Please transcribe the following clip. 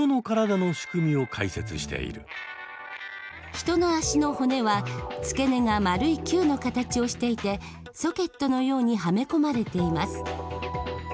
人の足の骨は付け根が丸い球の形をしていてソケットのようにはめ込まれています。